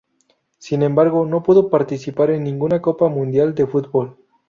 Sin embargo, no pudo participar en ninguna Copa Mundial de Fútbol.